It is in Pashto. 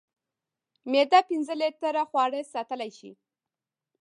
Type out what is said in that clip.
معده پنځه لیټره خواړه ساتلی شي.